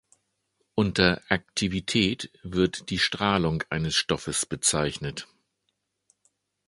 Unter Aktivität wird die Strahlung eines Stoffes bezeichnet.